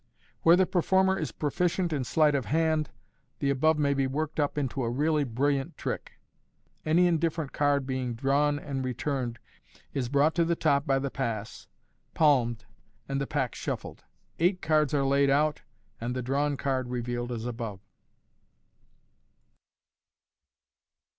Where the performer is proficient in sleight of hand, the above may be worked up into a really brilliant trick. Any indifferent card being drawn and returned, is brought to the top by the pass, palmed, and the pack shuffled. Eight cards are laid out, and the drawn card revealed as above.